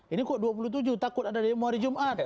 ini kok dua puluh tujuh takut ada demo hari jumat